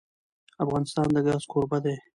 افغانستان د ګاز کوربه دی.